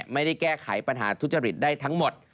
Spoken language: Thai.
ไม่ได้แก้ไขปัญหาทุจริตได้ทั้งหมด